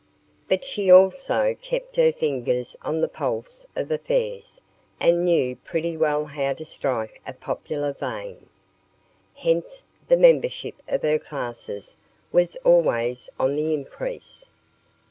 But she also kept her fingers on the pulse of affairs and knew pretty well how to strike a popular vein. Hence the membership of her classes was always on the increase.